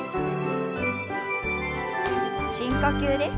深呼吸です。